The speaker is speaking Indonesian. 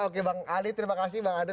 oke bang ali terima kasih bang adat